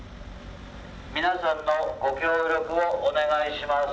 皆さんのご協力をお願いします。